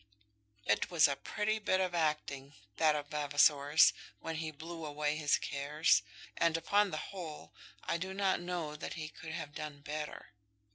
It was a pretty bit of acting, that of Vavasor's, when he blew away his cares; and, upon the whole, I do not know that he could have done better.